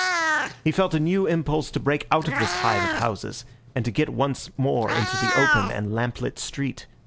He felt a new impulse to break out of this hive of houses, and to get once more into the open and lamp lit street.